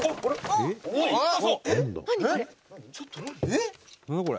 「えっ？」